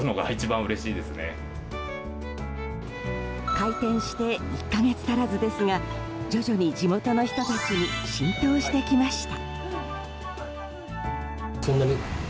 開店して１か月足らずですが徐々に地元の人たちに浸透してきました。